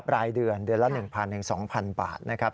รายเดือนเดือนละ๑๐๐๐๒๐๐๐บาท